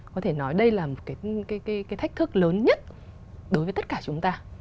có thể nói đây là một cái thách thức lớn nhất đối với tất cả chúng ta